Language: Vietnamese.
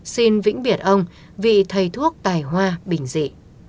xin vĩnh biệt ông vì thầy thuốc tài hoa bình dị